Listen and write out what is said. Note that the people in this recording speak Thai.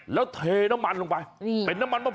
แล้วจากนั้นทำไงต่อ